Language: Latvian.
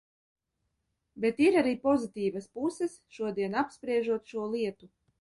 Bet ir arī pozitīvas puses, šodien apspriežot šo lietu.